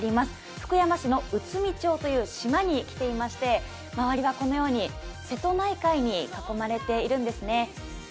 福山市の内海町という島に来ていまして周りはこのように瀬戸内海に囲まれているんですね。